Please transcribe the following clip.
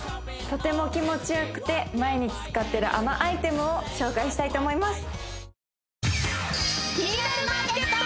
とても気持ちよくて毎日使ってるあのアイテムを紹介したいと思います